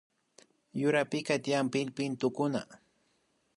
Yurapika tiyan pillpintukuna